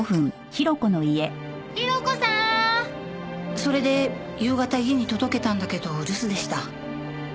それで夕方家に届けたんだけど留守でした。